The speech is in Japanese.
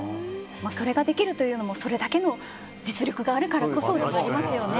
それができるというのもそれだけの実力があるからこそとなりますよね。